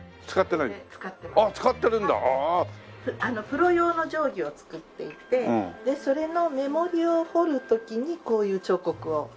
プロ用の定規を作っていてでそれの目盛りを彫る時にこういう彫刻を。